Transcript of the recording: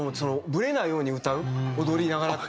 ブレないように歌う踊りながらって。